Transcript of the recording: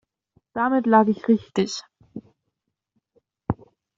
Damit lag ich richtig.